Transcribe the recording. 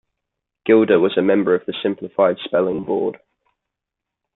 Gilder was a member of the Simplified Spelling Board.